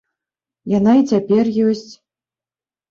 Яна і цяпер ёсць.